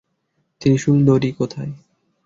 ত্রিশূল দাড়ি কোথায়?